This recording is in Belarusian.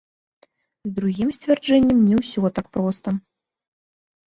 З другім сцвярджэннем не ўсё так проста.